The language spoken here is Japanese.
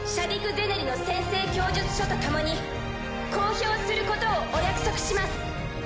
・ゼネリの宣誓供述書とともに公表することをお約束します。